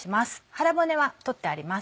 腹骨は取ってあります。